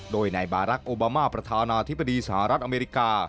โดยนายบารักษ์โอบามาประธานาธิบดีสหรัฐอเมริกา